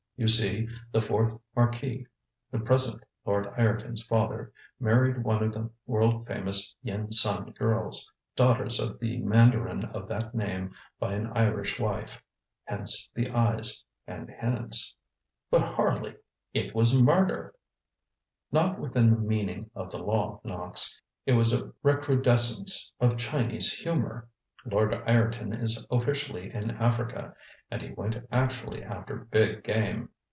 You see, the fourth marquis the present Lord Ireton's father married one of the world famous Yen Sun girls, daughters of the mandarin of that name by an Irish wife. Hence, the eyes. And hence ŌĆØ ŌĆ£But, Harley it was murder! ŌĆØ ŌĆ£Not within the meaning of the law, Knox. It was a recrudescence of Chinese humour! Lord Ireton is officially in Africa (and he went actually after 'big game').